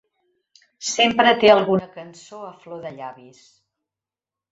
Sempre té alguna cançó a flor de llavis.